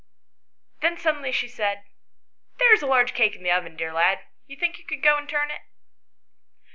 Then suddenly she said, " There's a large cake in the oven, dear lad ; do you think you could go and turn it?"